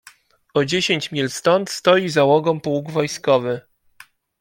"O dziesięć mil stąd stoi załogą pułk wojskowy."